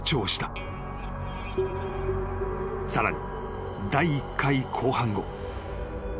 ［さらに第１回公判後］